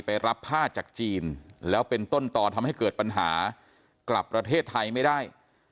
ไปรับผ้าจากจีนแล้วเป็นต้นต่อทำให้เกิดปัญหากลับประเทศไทยไม่ได้